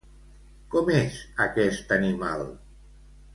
Com és aquest animal?